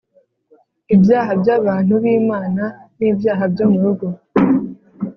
Ibyaha by’abantu b’Imana n’ibyaha byo mu ngo